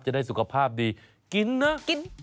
จะได้สุขภาพดีกินนะ